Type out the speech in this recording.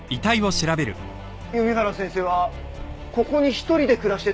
弓原先生はここに一人で暮らしてたんですか？